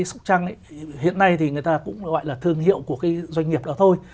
sóc trăng hiện nay thì người ta cũng gọi là thương hiệu của cái doanh nghiệp đó thôi